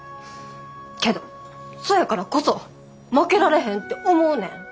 けどそやからこそ負けられへんって思うねん。